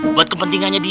buat kepentingannya dia